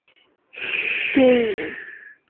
被誉为有史以来最伟大的派对电影。